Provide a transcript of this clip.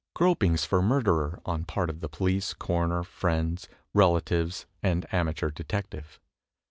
Gropings for murderer, on part of the police, coroner, friends, relatives and amateur detective.